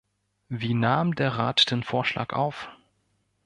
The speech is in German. Wie nahm der Rat den Vorschlag auf?